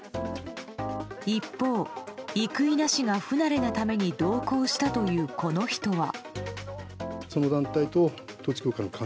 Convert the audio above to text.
一方、生稲氏が不慣れなために同行したというこの人は。